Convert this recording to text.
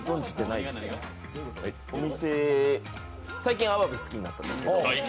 お店最近あわび好きになったんですけど。